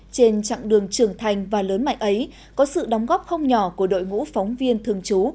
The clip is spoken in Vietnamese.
trên chặng đường trưởng thành và lớn mạnh ấy có sự đóng góp không nhỏ của đội ngũ phóng viên thường trú